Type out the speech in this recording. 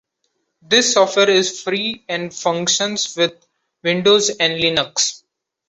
This software is free and functions with Windows and Linux.